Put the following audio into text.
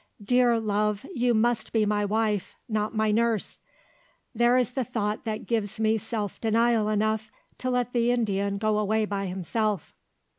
Dear love, you must be my wife not my nurse! There is the thought that gives me self denial enough to let the Indian go away by himself."